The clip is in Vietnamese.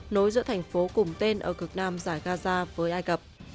nối giữa thành phố cùng tên ở cực nam giải gaza với ai cập